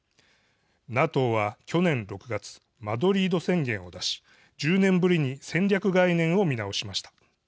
ＮＡＴＯは去年６月マドリード宣言を出し１０年ぶりに戦略概念を見直しました。